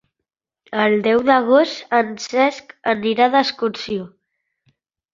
El deu d'agost en Cesc anirà d'excursió.